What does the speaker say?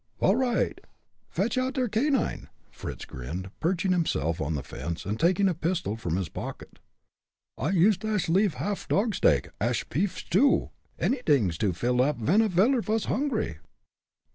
"All right! Fetch oud der canine," Fritz grinned, perching himself on the fence, and taking a pistol from his pocket. "I yoost ash leave haff dog steak ash peef stew. Anydings to fill up ven a veller vas hungry."